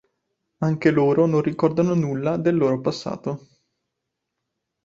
Anche loro non ricordano nulla del loro passato.